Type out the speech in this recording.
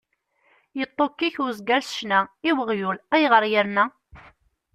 Yeṭṭukkek uzger s ccna; i weɣyul, ayɣer yerna?